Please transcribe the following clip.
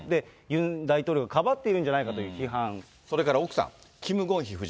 ユン大統領がかばっているんじゃそれから奥さん、キム・ゴンヒ夫人。